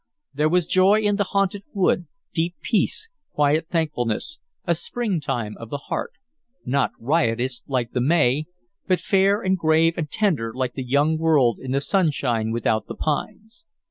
There was joy in the haunted wood, deep peace, quiet thankfulness, a springtime of the heart, not riotous like the May, but fair and grave and tender like the young world in the sunshine without the pines.